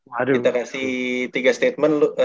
kita kasih tiga statement